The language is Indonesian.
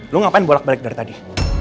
lu ngapain bolak balik dari tadi